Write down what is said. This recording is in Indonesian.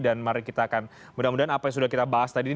dan mari kita akan mudah mudahan apa yang sudah kita bahas tadi ini